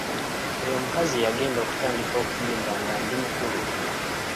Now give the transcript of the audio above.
Oyo omukazi yagenda okutandika okuyimba nga ndi mukulu.